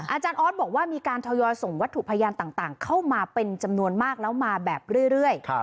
อาจารย์ออสบอกว่ามีการทยอยส่งวัตถุพยานต่างเข้ามาเป็นจำนวนมากแล้วมาแบบเรื่อย